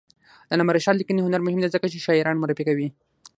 د علامه رشاد لیکنی هنر مهم دی ځکه چې شاعران معرفي کوي.